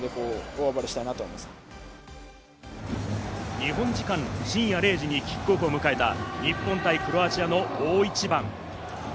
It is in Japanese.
日本時間深夜０時にキックオフを迎えた日本対クロアチアの大一番。